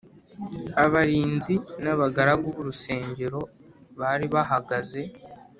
Abarinzi n’abagaragu b’urusengero bari bahagaze